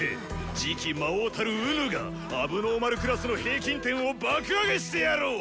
次期魔王たる己が問題児クラスの平均点を爆上げしてやろう！